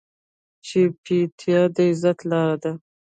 چپتیا، د عزت لاره ده.